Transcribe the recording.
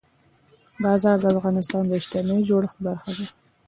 باران د افغانستان د اجتماعي جوړښت برخه ده.